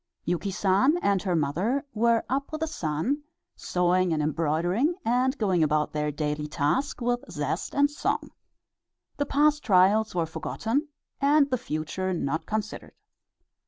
Yuki San and her mother were up with the sun, sewing and embroidering, and going about their daily task with zest and song. The past trials were forgotten and the future not considered.